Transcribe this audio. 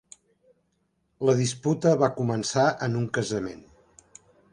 La disputa va començar en un casament